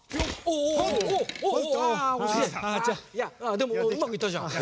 でもうまくいったじゃん。